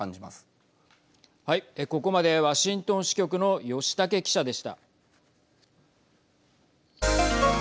ここまでワシントン支局の吉武記者でした。